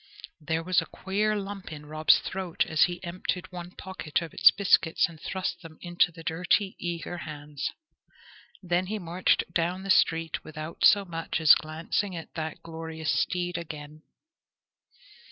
There was a queer lump in Rob's throat as he emptied one pocket of its biscuits and thrust them into the dirty, eager hands. Then he marched down the street without so much as glancing at that glorious steed again.